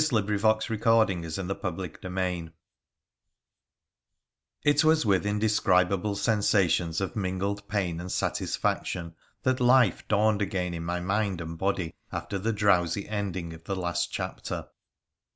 PHRA THE PHOENICIAN 107 CHAPTER VIII It was with indescribable sensations of mingled pam and satisfaction that life dawned again in my mind and body after the drowsy ending of the last chapter.